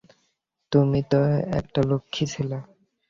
তুমি তো একটা লক্ষ্মী ছেলে।